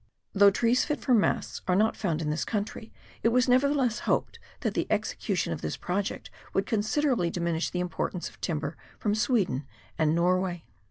Though trees fit for masts are not found in this country, it was nevertheless hoped that the execution of this project would considerably diminish the importation of timber from Sweden and Norway.